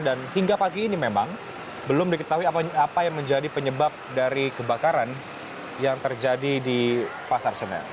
dan hingga pagi ini memang belum diketahui apa yang menjadi penyebab dari kebakaran yang terjadi di pasar senen